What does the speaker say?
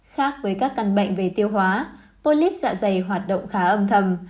khác với các căn bệnh về tiêu hóa polyp dạ dày hoạt động khá âm thầm